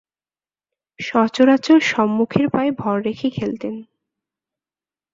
সচরাচর সম্মুখের পায়ে ভর রেখে খেলতেন।